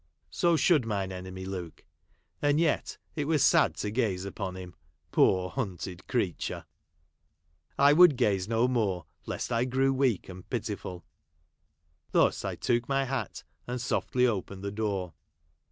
So should mine enemy look. And yet it was sad to gaze upon him, poor hunted creature ! I would gaze no more, lest I grew weak and pitiful. Thus I took my hat, and softly opened the door.